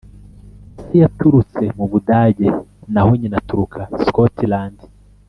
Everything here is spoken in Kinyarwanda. ise yaturutse mu Budage naho nyina aturuka Scotland